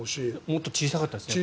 もっと小さかったですよね。